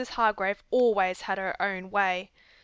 Hargrave always had her own way.